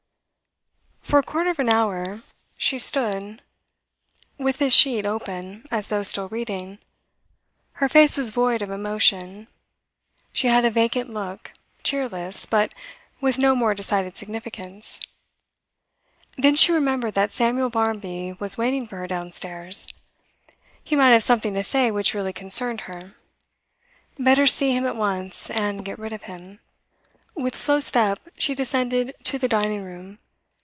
For a quarter of an hour she stood with this sheet open, as though still reading. Her face was void of emotion; she had a vacant look, cheerless, but with no more decided significance. Then she remembered that Samuel Barmby was waiting for her downstairs. He might have something to say which really concerned her. Better see him at once and get rid of him. With slow step she descended to the dining room.